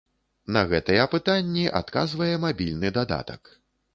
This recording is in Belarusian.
На гэтыя пытанні адказвае мабільны дадатак.